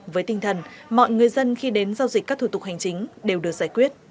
với tinh thần mọi người dân khi đến giao dịch các thủ tục hành chính đều được giải quyết